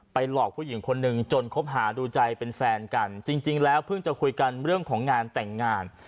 หลอกผู้หญิงคนหนึ่งจนคบหาดูใจเป็นแฟนกันจริงแล้วเพิ่งจะคุยกันเรื่องของงานแต่งงาน